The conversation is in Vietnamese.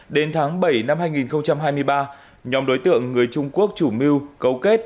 đến tháng bảy năm hai nghìn hai mươi ba nhóm đối tượng người trung quốc chủ mưu cấu kết